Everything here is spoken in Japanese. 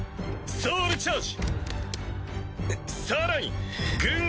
ソウルチャージ！